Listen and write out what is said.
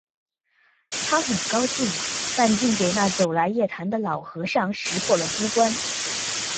他很高兴；但竟给那走来夜谈的老和尚识破了机关